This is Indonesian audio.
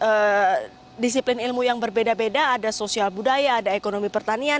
ada disiplin ilmu yang berbeda beda ada sosial budaya ada ekonomi pertanian